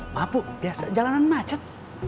mabuk biasa jalanan macet